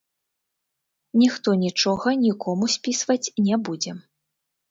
Ніхто нічога нікому спісваць не будзе.